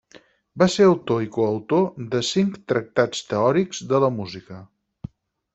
Va ser també autor i coautor de cinc tractats teòrics de la música.